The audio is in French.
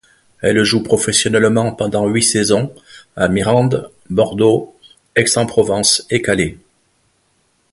Elle joue professionnellement pendant huit saisons, à Mirande, Bordeaux, Aix-en-Provence et Calais.